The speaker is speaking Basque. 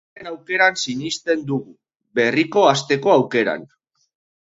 Bigarren aukeran sinisten dugu, berriko hasteko aukeran.